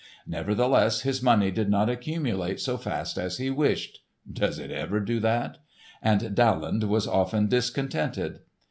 Nevertheless, his money did not accumulate so fast as he wished—does it ever do that?—and Daland was often discontented.